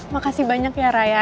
makasih banyak ya raya